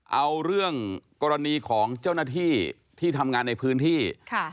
เอาเรื่องกรณีของเจ้าหน้าที่ที่ทำงานในพื้นที่ค่ะ